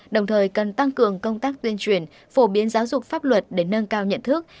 đồng thời cần tăng cường công tác tuyên truyền phổ biến giáo dục pháp luật để nâng cao nhận thức